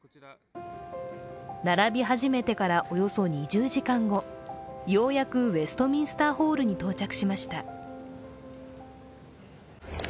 並び始めてからおよそ２０時間後ようやくウェストミンスターホールに到着しました。